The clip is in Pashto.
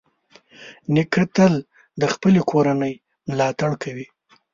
نیکه تل د خپلې کورنۍ ملاتړ کوي.